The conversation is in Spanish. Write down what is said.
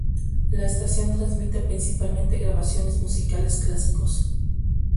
La estación transmite principalmente grabaciones musicales clásicos.